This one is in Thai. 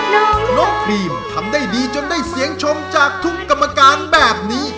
น้องพรีมทำได้ดีจนได้เสียงชมจากทุกกรรมการแบบนี้